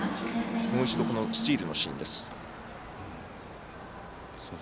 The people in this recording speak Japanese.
もう一度、スチールのシーンです。